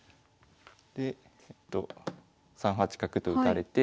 で３八角と打たれて。